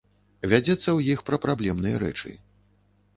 Вядзецца ў іх пра праблемныя рэчы.